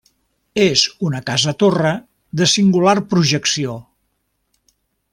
És una casa-torre de singular projecció.